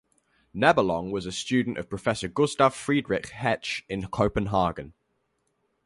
Nebelong was a student of Professor Gustav Friedrich Hetsch in Copenhagen.